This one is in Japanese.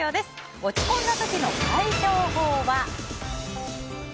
落ち込んだ時の解消法は。